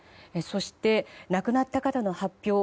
そして、亡くなった方の発表